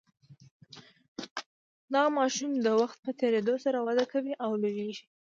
دغه ماشوم د وخت په تیریدو سره وده کوي او لوییږي.